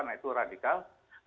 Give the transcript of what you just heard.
nah itu radikal